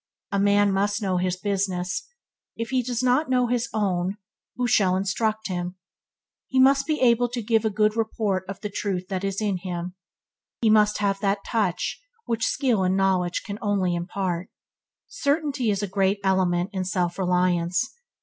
A man must know his business. If he does not know his own, who shall instruct him? He must be able to give a good report of the truth that is in him, must have that deceive touch which skill and knowledge only can impart. Certainty is a great element in self reliance.